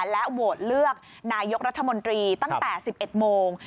และโหวตเลือกนายกรัฐมนตรีตั้งแต่๑๑โมง